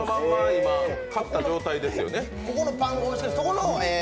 今、買った状態ですよね。